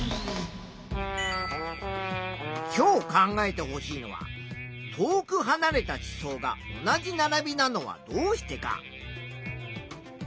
今日考えてほしいのは「遠くはなれた地層が同じ並びなのはどうしてか」。